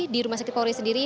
di rumah sakit polri sendiri